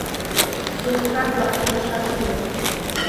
— Демократ-влак сеҥышаш улыт.